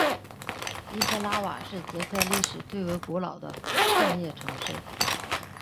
伊赫拉瓦是捷克历史最为古老的矿业城市。